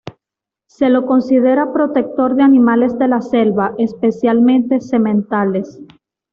Se lo considera protector de animales de la selva, especialmente sementales.